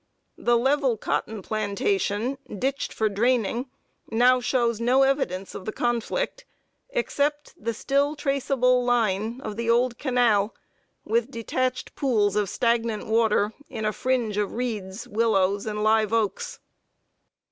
The level cotton plantation, ditched for draining, now shows no evidence of the conflict, except the still traceable line of the old canal, with detached pools of stagnant water in a fringe of reeds, willows, and live oaks.